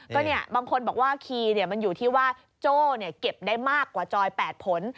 ก็เนี่ยบางคนบอกว่าคีย์มันอยู่ที่ว่าโจ้เก็บได้มากกว่าจอย๘ผล